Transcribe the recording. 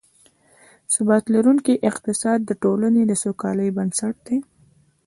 ثبات لرونکی اقتصاد، د ټولنې د سوکالۍ بنسټ دی